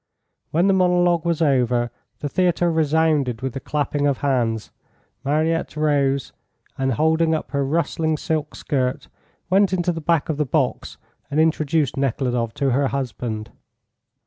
When the monologue was over the theatre resounded with the clapping of hands. Mariette rose, and holding up her rustling silk skirt, went into the back of the box and introduced Nekhludoff to her husband.